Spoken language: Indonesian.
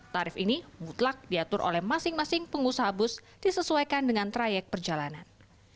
tarif ini mutlak diatur oleh masing masing pengusaha bus disesuaikan dengan trayek perjalanan